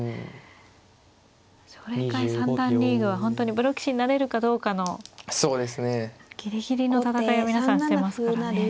奨励会三段リーグは本当にプロ棋士になれるかどうかのギリギリの戦いを皆さんしてますからね。